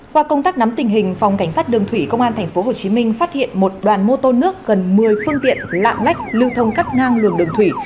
qua công tác nắm tình hình phòng cảnh sát đường thủy công an thành phố hồ chí minh phát hiện một đoàn mô tô nước gần một mươi phương tiện lạng lách lưu thông cắt ngang lường đường thủy